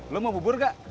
lu mau bubur gak